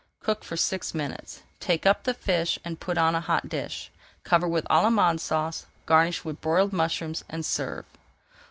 Cook for six minutes, take up the fish, and put on a hot dish. Cover with Allemande Sauce, garnish with broiled mushrooms and serve.